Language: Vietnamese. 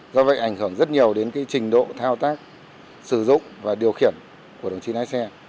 do vậy ảnh hưởng rất nhiều đến trình độ thao tác sử dụng và điều khiển của đồng chí lái xe